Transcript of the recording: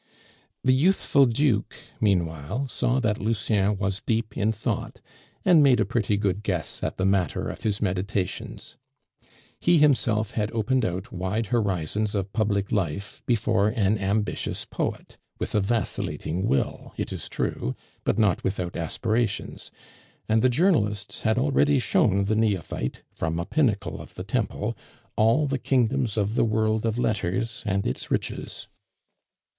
The youthful Duke meanwhile saw that Lucien was deep in thought, and made a pretty good guess at the matter of his meditations. He himself had opened out wide horizons of public life before an ambitious poet, with a vacillating will, it is true, but not without aspirations; and the journalists had already shown the neophyte, from a pinnacle of the temple, all the kingdoms of the world of letters and its riches.